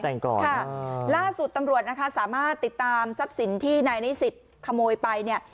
แต่งก่อนค่ะล่าสุดตำรวจนะคะสามารถติดตามทรัพย์สินที่นายนิสิตขโมยไปเนี่ย